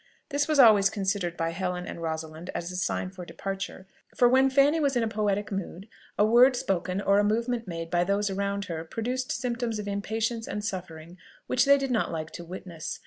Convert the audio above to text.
This was always considered by Helen and Rosalind as a signal for departure: for then Fanny was in a poetic mood; a word spoken or a movement made by those around her produced symptoms of impatience and suffering which they did not like to witness.